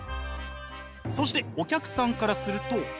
そしてお客さんからすると。